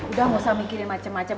udah gak usah mikirin macam macam